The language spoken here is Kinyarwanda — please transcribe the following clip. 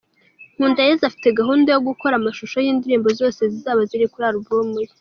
Nkundayesu afite gahunda yo gukora amashusho y’indirimbo zose zizaba ziri kuri album ye.